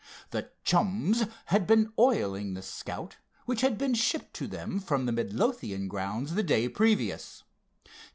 The chums had been oiling the Scout, which had been shipped to them from the Midlothian grounds the day previous.